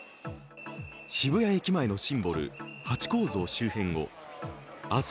渋谷駅前のシンボル・ハチ公像周辺を明日